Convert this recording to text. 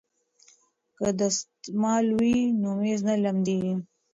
که دستمال وي نو میز نه لمدیږي.